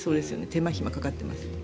手間暇かかってます。